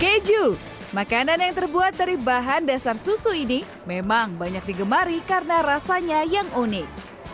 keju makanan yang terbuat dari bahan dasar susu ini memang banyak digemari karena rasanya yang unik